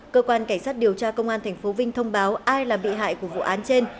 cơ quan cảnh sát điều tra công an tp vinh thông báo ai là bị hại của vụ án trên